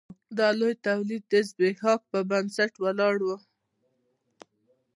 دا لوی تولید د ځبېښاک پر بنسټ ولاړ و.